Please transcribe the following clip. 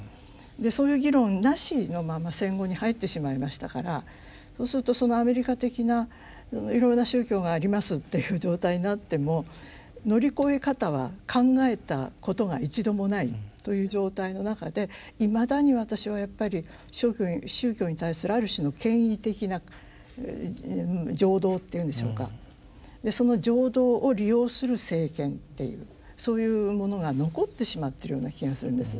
そういう議論なしのまま戦後に入ってしまいましたからそうするとアメリカ的ないろんな宗教がありますっていう状態になっても乗り越え方は考えたことが一度もないという状態の中でいまだに私はやっぱり宗教に対するある種の権威的な情動っていうんでしょうかその情動を利用する政権っていうそういうものが残ってしまってるような気がするんです。